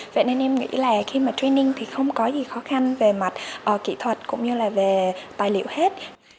vậy nên em nghĩ là khi mà training thì không có gì khó khăn về mặt kỹ thuật cũng như là về tài liệu hết